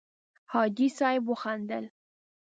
حاجي صیب وخندل.